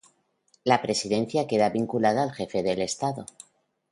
La Presidencia queda vinculada al Jefe del Estado.